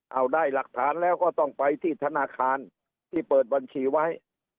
เอาได้หลักฐานแล้วก็ต้องไปที่ธนาคารที่เปิดบัญชีไว้